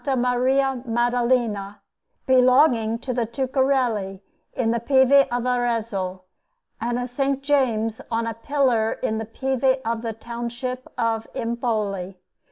Maria Maddalena, belonging to the Tuccerelli, in the Pieve of Arezzo, and a S. James on a pillar in the Pieve of the township of Empoli.